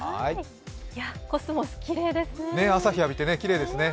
コスモス、きれいですね。